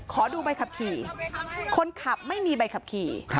ขอดูใบขับขี่คนขับไม่มีใบขับขี่